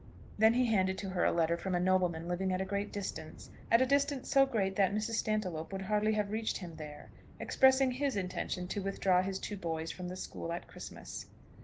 Then he handed to her a letter from a nobleman living at a great distance, at a distance so great that Mrs. Stantiloup would hardly have reached him there, expressing his intention to withdraw his two boys from the school at Christmas.